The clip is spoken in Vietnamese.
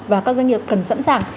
và các doanh nghiệp cần sẵn sàng